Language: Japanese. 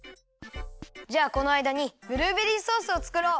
じゃあこのあいだにブルーベリーソースをつくろう！